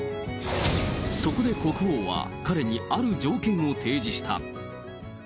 そこで国王は、彼にある条件を提示した。